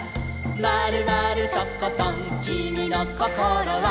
「まるまるとことんきみのこころは」